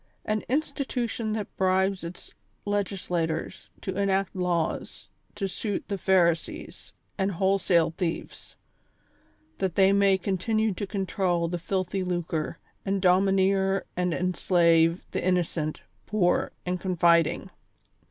An institution that bribes its Legislators to enact laws to suit the Pharisees and wholesale thieves, that they may continue to control the filthy lucre, and domineer and en slave the innocent, poor and confiding.